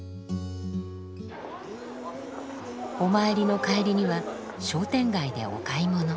お参りの帰りには商店街でお買い物。